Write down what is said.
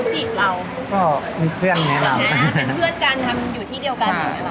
เป็นเพื่อนกันอยู่ที่เดียวกันอย่างนี้หรอค่ะ